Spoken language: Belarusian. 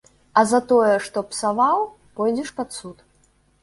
А за тое, што псаваў, пойдзеш пад суд.